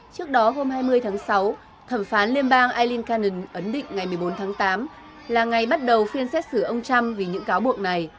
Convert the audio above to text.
trước đó hôm hai mươi tháng sáu thẩm phán liên bang illin kennan ấn định ngày một mươi bốn tháng tám là ngày bắt đầu phiên xét xử ông trump vì những cáo buộc này